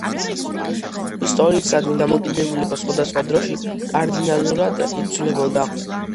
ისტორიისადმი დამოკიდებულება სხვადასხვა დროში კარდინალურად იცვლებოდა.